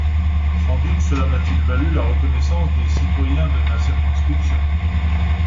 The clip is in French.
Sans doute cela m’a-t-il valu la reconnaissance des citoyens de ma circonscription.